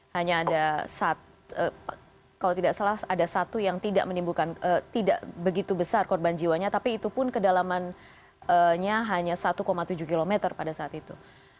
hanya ada satu yang tidak begitu besar korban jiwanya tapi itu pun kedalamannya hanya satu tujuh km pada saat itu